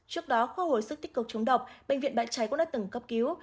trước đó khoa hồi sức tích cực chống độc bệnh viện bãi cháy cũng đã từng cấp cứu